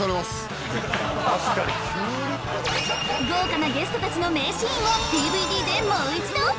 豪華なゲストたちの名シーンをＤＶＤでもう一度！